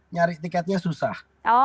nyari tiketnya susah